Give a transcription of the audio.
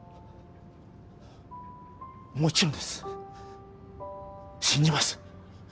もちろんです信じます